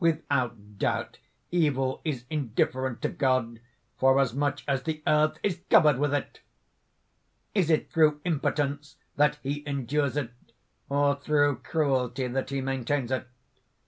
Without doubt evil is indifferent to God, forasmuch as the Earth is covered with it! "Is it through impotence that he endures it, or through cruelty that he maintains it?